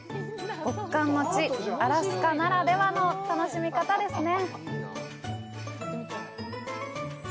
極寒の地・アラスカならではの楽しみ方ですね。